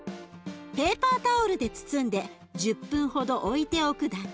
ペーパータオルで包んで１０分ほど置いておくだけ。